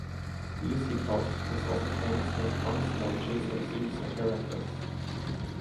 Lysippos was also famous for his bronze sculptures of Zeus and Herakles.